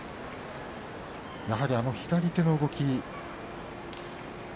やはりあの左手の動き。